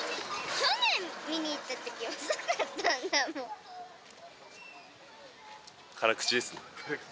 去年見に行ったときにさ、遅かっ辛口ですね。